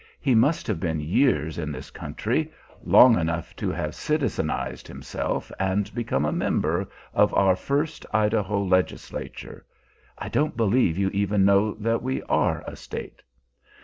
He must have been years in this country, long enough to have citizenized himself and become a member of our first Idaho legislature (I don't believe you even know that we are a State!).